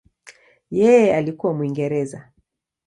Yeye alikuwa Mwingereza.